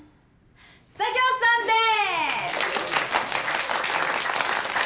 佐京さんでーす！